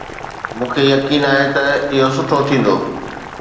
مون کي يقين آهي ته اهو سٺو ٿيندو.